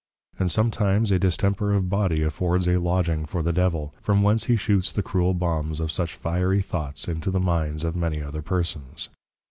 And sometimes a distemper of Body affords a Lodging for the Devil, from whence he shoots the cruel Bombs of such Fiery Thoughts into the minds of many other persons.